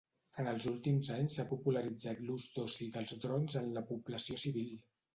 En els últims anys s’ha popularitzat l’ús d’oci dels drons en la població civil.